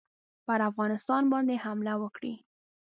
پر افغانستان باندي حمله وکړي.